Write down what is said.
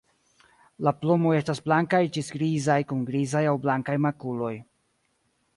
La plumoj estas blankaj ĝis grizaj kun grizaj aŭ blankaj makuloj.